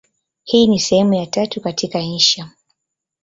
Hii ni sehemu ya tatu katika insha.